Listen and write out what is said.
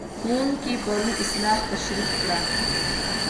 ښوونکی پرون اصلاح تشریح کړه.